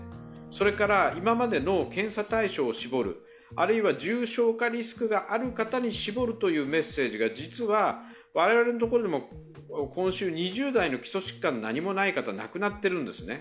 それから、今までの検査対象を絞るあるいは重症化リスクがある方に絞るというメッセージが実は我々のところにも、今週２０代の基礎疾患が何もない方が亡くなっているんですね。